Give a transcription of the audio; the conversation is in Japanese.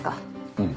うん。